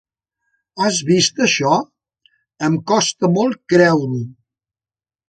Has vist això? Em costa molt creure-ho!